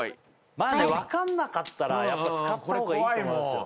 まあね分かんなかったらやっぱ使った方がいいと思いますよ